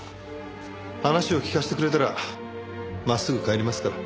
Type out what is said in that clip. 話を聞かせてくれたら真っすぐ帰りますから。